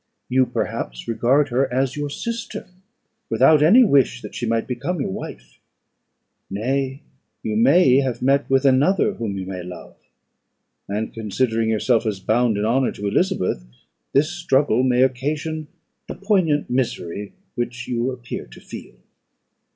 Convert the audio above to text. You, perhaps, regard her as your sister, without any wish that she might become your wife. Nay, you may have met with another whom you may love; and, considering yourself as bound in honour to Elizabeth, this struggle may occasion the poignant misery which you appear to feel."